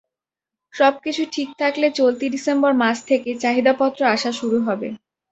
সবকিছু ঠিক থাকলে চলতি ডিসেম্বর মাস থেকেই চাহিদাপত্র আসা শুরু হবে।